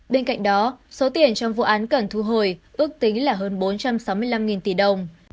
bên cạnh đó số tiền trong vụ án cần thu hồi ước tính là hơn bốn trăm sáu mươi năm tỷ đồng